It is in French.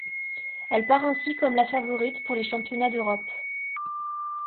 Elle part ainsi comme la favorite pour les championnats d'Europe.